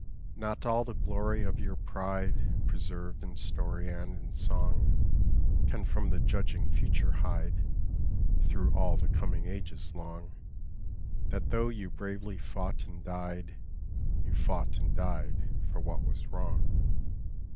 Not all the glory of your pride, Preserved in story and in song, Can from the judging future hide, Through all the coming ages long, That though you bravely fought and died, You fought and died for what was wrong.